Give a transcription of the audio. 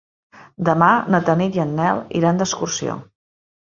Demà na Tanit i en Nel iran d'excursió.